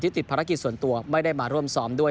ติดภารกิจส่วนตัวไม่ได้มาร่วมซ้อมด้วย